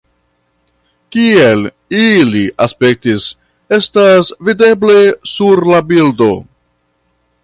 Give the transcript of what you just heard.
Kiel ili aspektis, estas videble sur la bildo.